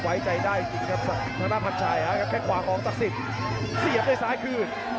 ไว้ใจได้จริงแค่ฝ่ากองสักสิทธิ์เสียบด้วยสายคืน